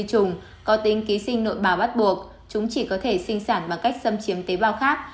trùng có tính ký sinh nội bài bắt buộc chúng chỉ có thể sinh sản bằng cách xâm chiếm tế bào khác